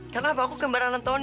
karena aku kembaran anthony